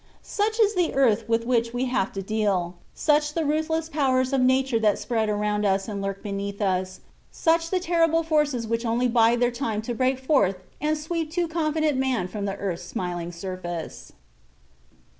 Such is the earth with which we have to deal, such the ruthless powers of nature that spread around us and lurk beneath us, such the terrific forces which only bide their time to break forth and sweep too confident man from the earth's smiling face.